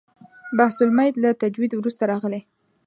بحث المیت له تجوید وروسته راغلی.